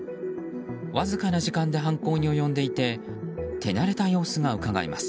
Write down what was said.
わずかな時間で犯行に及んでいて手慣れた様子がうかがえます。